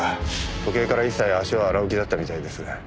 時計から一切足を洗う気だったみたいです。